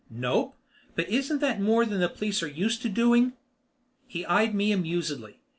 "Nope. But isn't that more than the police are used to doing?" He eyed me amusedly.